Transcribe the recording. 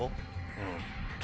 うん。